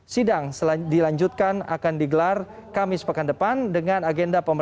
sidang dilanjutkan akan digelar kamis pekan depan dengan agenda pemeriksaan